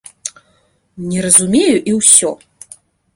Не разумею і ўсё.